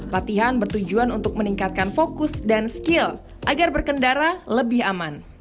latihan bertujuan untuk meningkatkan fokus dan skill agar berkendara lebih aman